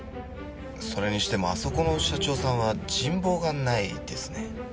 それにしてもあそこの社長さんは人望がないですね。